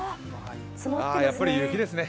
やっぱり雪ですね。